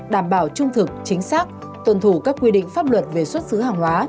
đảm bảo trung thực chính xác tuần thủ các quy định pháp luật về xuất xứ hàng hóa